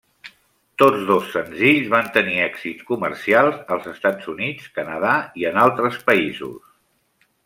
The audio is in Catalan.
Tots dos senzills van tenir èxits comercials als Estats Units, Canadà i en altres països.